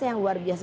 yang luar biasa